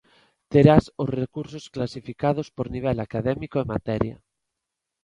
Terás os recursos clasificados por nivel académico e materia.